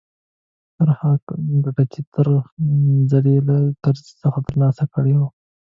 پر هغه ګټه ده چې تېر ځل يې له کرزي څخه ترلاسه کړې وه.